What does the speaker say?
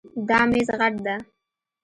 دا میز غټ ده